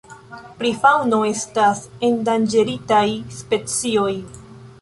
Pri faŭno estas endanĝeritaj specioj.